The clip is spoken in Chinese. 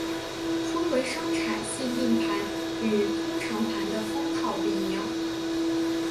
初回生产限定盘与通常盘的封套不一样。